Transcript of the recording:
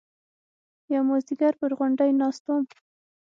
يو مازديگر پر غونډۍ ناست وم.